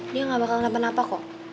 dia gak bakal kenapa napa kok